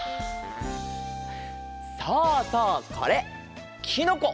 そうそうこれきのこ。